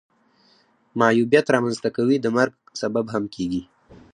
معیوبیت را منځ ته کوي د مرګ سبب هم کیږي.